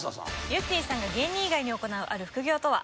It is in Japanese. ゆってぃさんが芸人以外に行うある副業とは？